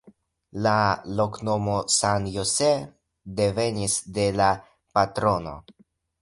La loknomo San Jose devenis de la patrono.